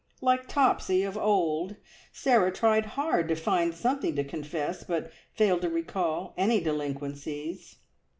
Like Topsy of old, Sarah tried hard to find something to confess, but failed to recall any delinquencies.